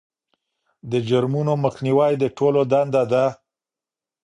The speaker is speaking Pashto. د جرمونو مخنیوی د ټولو دنده ده.